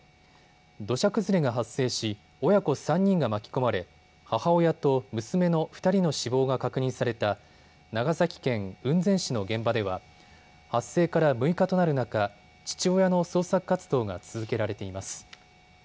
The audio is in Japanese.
土砂崩れが発生し、親子３人が巻き込まれ母親と娘の２人の死亡が確認された長崎県雲仙市の現場では発生から６日となる中、父親の捜索活動が続けられています。